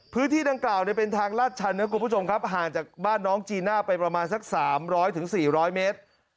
พื้นที่ดังกล่าวเป็นทางลาดชันนะคุณผู้ชมครับห่างจากบ้านน้องจีน่าไปประมาณสัก๓๐๐๔๐๐เมตร